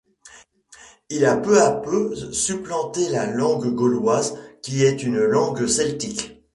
Il a peu à peu supplanté la langue gauloise qui est une langue celtique.